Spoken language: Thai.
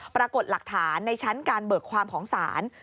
ปรากฏหลักฐานในชั้นการเบิกความของศาล